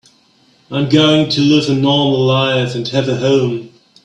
I'm going to live a normal life and have a home.